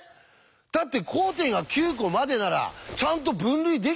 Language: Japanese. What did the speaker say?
だって交点が９コまでならちゃんと分類できたんでしょ？